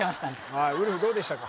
はいウルフどうでしたか？